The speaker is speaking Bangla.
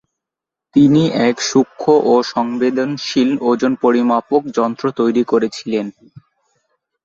তিনি এক সূক্ষ্ম ও সংবেদনশীল ওজন পরিমাপক যন্ত্র তৈরি করেছিলেন।